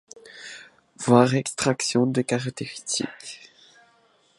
Voir extraction de caractéristiques.